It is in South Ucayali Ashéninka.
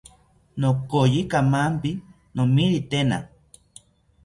Nokoyi kamanpi nomiritena